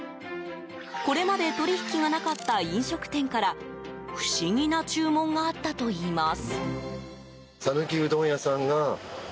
これまで取引がなかった飲食店から不思議な注文があったといいます。